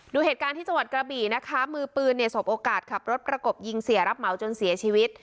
ดูเหตุการณ์ที่จังหวัดกระบี่นะคะมือปืนเนี่ยสบโอกาสขับรถประกบยิงเสียรับเหมาจนเสียชีวิต